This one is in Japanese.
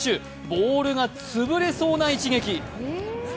ボールが潰れそうな一撃。